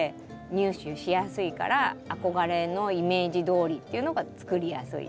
入手しやすいから憧れのイメージどおりっていうのがつくりやすい。